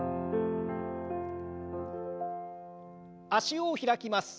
脚を開きます。